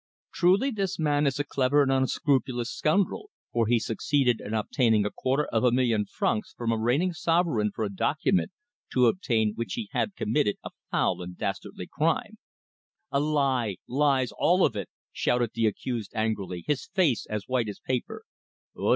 Truly this man is a clever and unscrupulous scoundrel, for he succeeded in obtaining a quarter of a million francs from a reigning sovereign for a document, to obtain which he had committed a foul and dastardly crime!" "A lie lies, all of it!" shouted the accused angrily, his face as white as paper.